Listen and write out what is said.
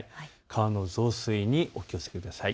川の増水にお気をつけください。